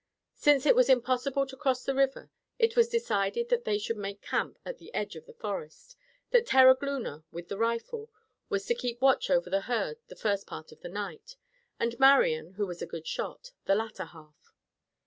Since it was impossible to cross the river, it was decided that they should make camp at the edge of the forest; that Terogloona, with the rifle, was to keep watch over the herd the first part of the night; and Marian, who was a good shot, the latter half.